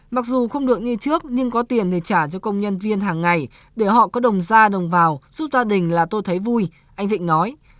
mặc dù không được như trước nhưng có tiền để trả cho công nhân viên hàng ngày để họ có đồng ra đồng vào giúp gia đình là tôi thấy vui anh vịnh nói